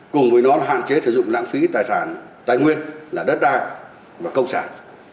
cùng với nó hạn chế sử dụng lãng phí tài sản tài nguyên là đất đai và công sản